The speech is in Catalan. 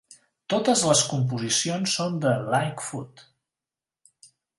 Totes les composicions són de Lightfoot.